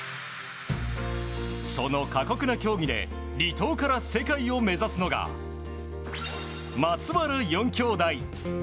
その過酷な競技で離島から世界を目指すのが松原４きょうだい。